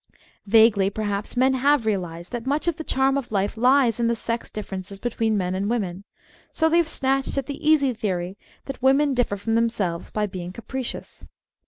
Vaguely, perhaps, men have realised that much of the charm of life lies in the sex differences between men and women; so they have snatched at the easy theory that women differ from themselves by being capricious.